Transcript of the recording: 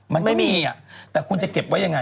มันไม่มีแต่คุณจะเก็บไว้ยังไง